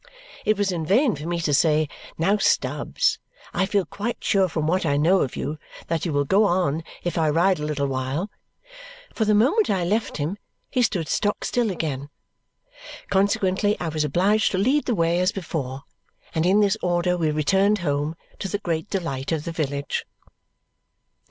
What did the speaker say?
It was in vain for me to say, "Now, Stubbs, I feel quite sure from what I know of you that you will go on if I ride a little while," for the moment I left him, he stood stock still again. Consequently I was obliged to lead the way, as before; and in this order we returned home, to the great delight of the village.